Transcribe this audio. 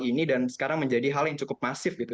ini dan sekarang menjadi hal yang cukup masif gitu